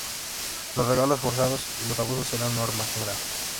Los regalos forzados y los abusos eran norma general.